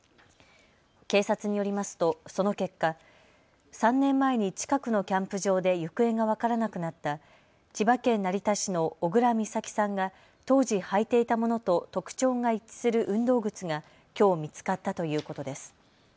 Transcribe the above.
警察によりますと、その結果、３年前に近くのキャンプ場で行方が分からなくなった千葉県成田市の小倉美咲さんが当時履いていたものと特徴が一致する運動靴がきょう見つかったということです。